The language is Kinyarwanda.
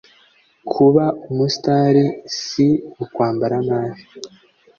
Kuba umustar si ukwambara nabi